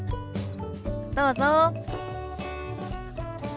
どうぞ。